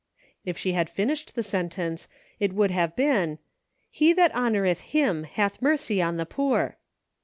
If she had finished the sentence it would have been, " He that honoreth Him hath mercy on the poor."